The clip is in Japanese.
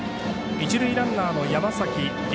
一塁ランナーの山崎凌